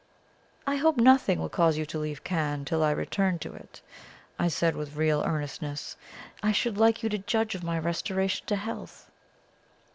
"I hope nothing will cause you to leave Cannes till I return to it," I said with real earnestness. "I should like you to judge of my restoration to health."